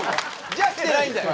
じゃあ来てないんだよ。